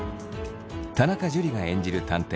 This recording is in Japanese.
田中樹が演じる探偵